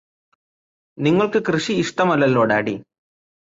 നിങ്ങള്ക്ക് കൃഷി ഇഷ്ടമല്ലല്ലോ ഡാഡി